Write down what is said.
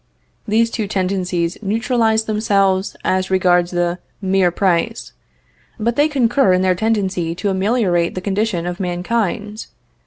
These two tendencies neutralize themselves as regards the mere price; but they concur in their tendency to ameliorate the condition of mankind.